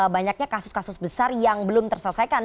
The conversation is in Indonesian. banyaknya kasus kasus besar yang belum terselesaikan